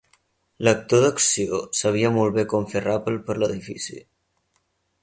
L'actor d'acció sabia molt bé com fer ràpel per l'edifici